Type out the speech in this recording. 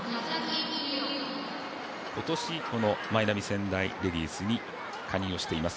今年、マイナビ仙台レディースに加入しています。